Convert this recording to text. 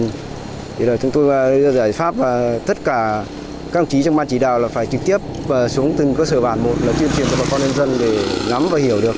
huyện phú yên giải pháp tất cả các trí trong ban chỉ đạo là phải trực tiếp xuống từng cơ sở bản một là tuyên truyền cho bà con nhân dân để ngắm và hiểu được